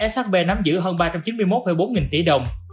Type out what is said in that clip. shb nắm giữ hơn ba trăm chín mươi một bốn nghìn tỷ đồng